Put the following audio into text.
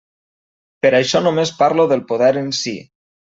Per això només parlo del poder en si.